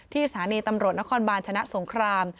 สถานีตำรวจนครบาลชนะสงคราม